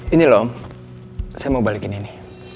ini loh saya mau balikin ini